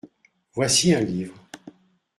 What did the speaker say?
Voici un livre.